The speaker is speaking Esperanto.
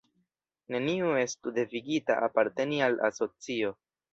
Neniu estu devigita aparteni al asocio.